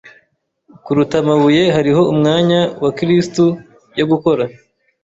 kuruta amabuye Hariho umwanya wa kristu yo gukora